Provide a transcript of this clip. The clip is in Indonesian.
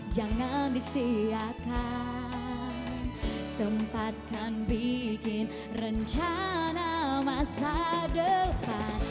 selagi kau mencari rencana masa depan